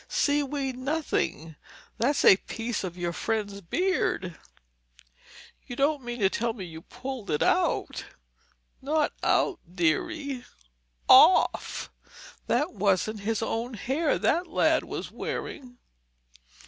"Seaweed, nothing! That's a piece of your friend's beard!" "You don't mean to tell me you pulled it out?" "Not out, dearie—off. That wasn't his own hair that lad was wearing."